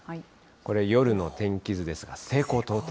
これ、夜の天気図ですが、西高東低。